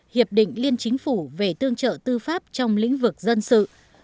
hiệp định liên chính phủ về tương trợ tư pháp trong lĩnh vực dân sự